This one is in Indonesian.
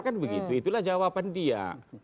kan begitu itulah jawaban dia